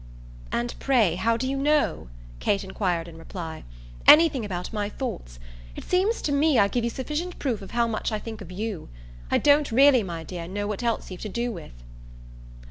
"And, pray, how do you know," Kate enquired in reply, "anything about my thoughts? It seems to me I give you sufficient proof of how much I think of YOU. I don't really, my dear, know what else you've to do with!"